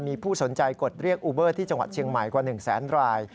มีผู้สนใจกดเรียกอูเบอร์ที่จังหวัดเชียงใหม่กว่า๑แสนราย